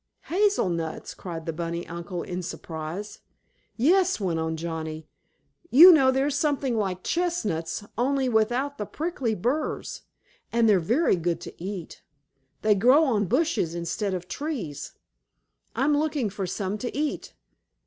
"Hazel nuts?" cried the bunny uncle in surprise. "Yes," went on Johnnie. "You know they're something like chestnuts, only without the prickly burrs, and they're very good to eat. They grow on bushes, instead of trees. I'm looking for some to eat.